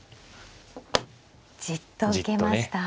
じっと受けました。